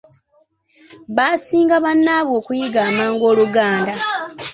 Baasinga bannaabwe okuyiga amangu Oluganda.